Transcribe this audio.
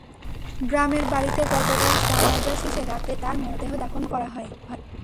গ্রামের বাড়িতে গতকাল সন্ধ্যায় জানাজা শেষে রাতে তাঁর মরদেহ দাফন করা হয়।